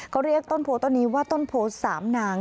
เขาเรียกต้นโพต้นนี้ว่าต้นโพสามนาง